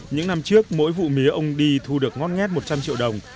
những năm trước mỗi vụ mía ông đi thu được ngót nghét một trăm linh triệu đồng